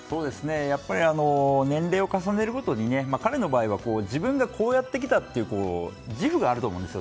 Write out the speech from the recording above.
年齢を重ねるごとに彼の場合は自分がこうやってきたという自負があると思うんですよ。